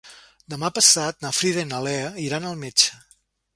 Demà passat na Frida i na Lea iran al metge.